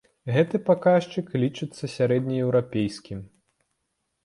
Гэты паказчык лічыцца сярэднееўрапейскім.